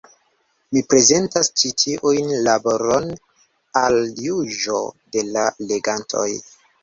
Mi prezentas ĉi tiun laboron al juĝo de la legantoj.